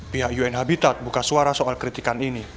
pihak un habitat buka suara soal kritikan ini